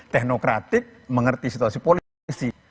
teknokratik mengerti situasi politisi